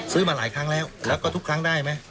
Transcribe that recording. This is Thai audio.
มาหลายครั้งแล้วแล้วก็ทุกครั้งได้ไหม